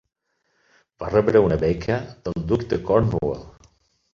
Va rebre una beca del duc de Cornwall.